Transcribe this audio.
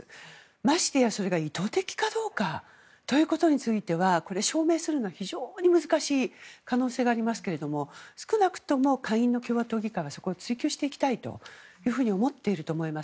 ましてや、それが意図的かどうかということについては証明するのは非常に難しい可能性がありますけれども少なくとも、下院の共和党議会はそこを追及していきたいと思っていると思います。